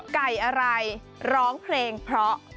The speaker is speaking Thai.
ไก่อะไรร้องเพลงเพราะ